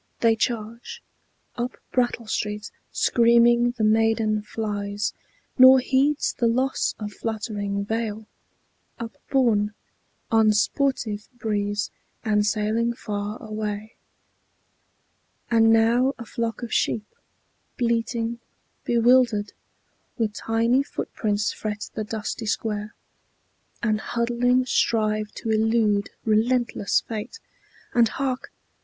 They charge Up Brattle Street. Screaming the maiden flies, Nor heeds the loss of fluttering veil, upborne On sportive breeze, and sailing far away. And now a flock of sheep, bleating, bewildered, With tiny footprints fret the dusty square, And huddling strive to elude relentless fate. And hark!